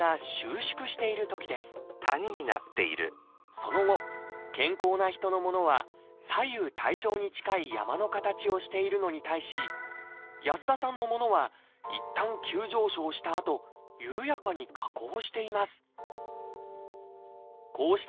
その後健康な人のものは左右対称に近い山の形をしているのに対し安田さんのものはいったん急上昇したあと緩やかに下降しています。